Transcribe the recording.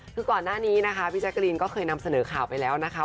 คือก่อนหน้านี้นะคะพี่แจ๊กรีนก็เคยนำเสนอข่าวไปแล้วนะคะ